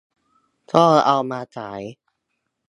ก็เอามาฉาย